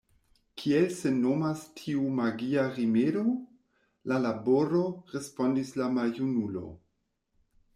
Kiel sin nomas tiu magia rimedo? La laboro, respondis la maljunulo.